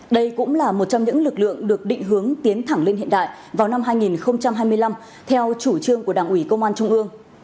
đây cũng là một trong những lực lượng được định hướng tiến thẳng lên hiện đại vào năm hai nghìn hai mươi năm theo chủ trương của đảng ủy công an trung ương